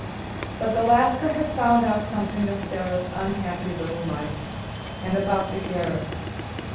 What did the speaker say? But the Lascar had found out something of Sara's unhappy little life, and about the garret.